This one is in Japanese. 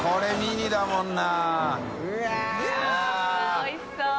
おいしそう。